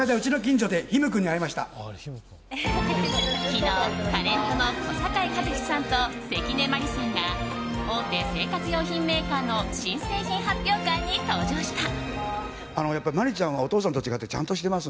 昨日、タレントの小堺一機さんと関根麻里さんが大手生活用品メーカーの新製品発表会に登場した。